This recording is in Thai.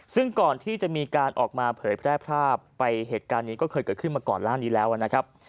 ซึ่งก่อนที่จะมีการออกมาเผยแพร่ภาพไปเหตุการณ์นี้ก็เคยเกิดขึ้นมาก่อนหน้านี้แล้วนะครับ